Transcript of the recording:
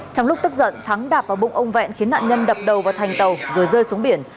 trong lúc tức giận thắng đạp vào bụng ông vẹn khiến nạn nhân đập đầu vào thành tàu rồi rơi xuống biển